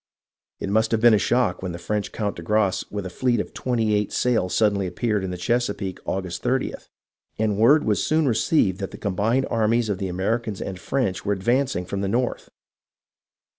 It must have been a shock when the French Count de Grasse with a fleet of twenty eight sail suddenly appeared in the Chesapeake August 30th, and word was soon received that the combined armies of the Americans and French were advancing from the north